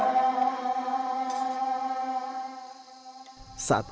saat azad melihat karus